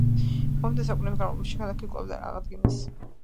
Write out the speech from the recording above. მომდევნო საუკუნეების განმავლობაში ქალაქი კვლავ აღადგინეს.